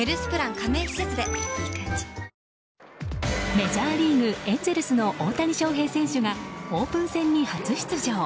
メジャーリーグ、エンゼルスの大谷翔平選手がオープン戦に初出場。